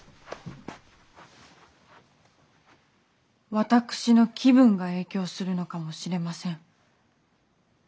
私の気分が影響するのかもしれません。